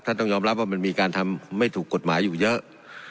ต้องยอมรับว่ามันมีการทำไม่ถูกกฎหมายอยู่เยอะ